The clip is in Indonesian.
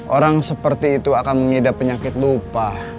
orang seperti itu akan mengidap penyakit lupa